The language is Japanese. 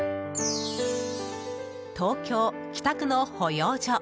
東京・北区の保養所